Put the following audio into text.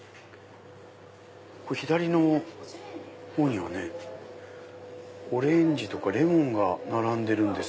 左の方にはねオレンジとかレモンが並んでる。